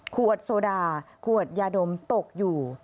ขวดโซดาขวดยาดมตกอยู่